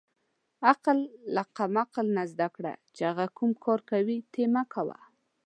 عقل له قمعل نه زدکیږی چی هغه کوم کار کوی ته یی مه کوه